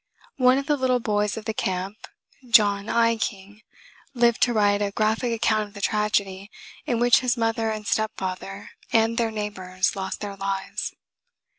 One of the little boys of the camp, John I. King, lived to write a graphic account of the tragedy in which his mother and stepfather and their neighbors lost their lives.